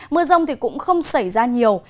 mưa rông cũng không xảy ra nhiều